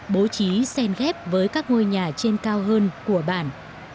bố trí sen ghép với các ngôi nhà trên cao hơn của bản